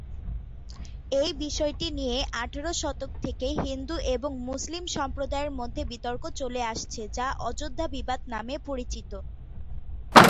এই বিষয়টি নিয়ে আঠারো শতক থেকেই হিন্দু এবং মুসলিম সম্প্রদায়ের মধ্যে বিতর্ক চলে আসছে, যা অযোধ্যা বিবাদ নামে পরিচিত।